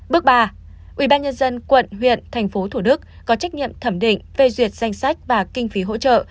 bước ba ubnd quận huyện thành phố thủ đức có trách nhiệm thẩm định phê duyệt danh sách và kinh phí hỗ trợ